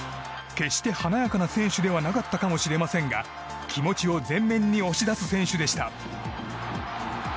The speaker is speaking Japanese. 決して華やかな選手ではなかったかもしれませんが気持ちを前面に押し出す選手でした。